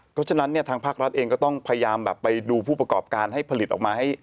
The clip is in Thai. เพราะฉะนั้นเนี่ยทางภาครัฐเองก็ต้องพยายามแบบไปดูผู้ประกอบการให้ผลิตออกมาให้